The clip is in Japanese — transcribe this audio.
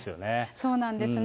そうなんですね。